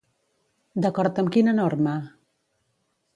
D'acord amb quina norma?